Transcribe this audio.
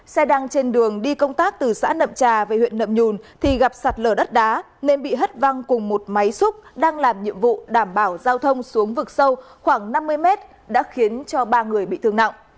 xe đang trên đường đi công tác từ xã nậm trà về huyện nậm nhùn thì gặp sạt lở đất đá nên bị hất văng cùng một máy xúc đang làm nhiệm vụ đảm bảo giao thông xuống vực sâu khoảng năm mươi mét đã khiến cho ba người bị thương nặng